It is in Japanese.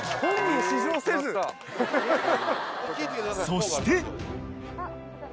［そして］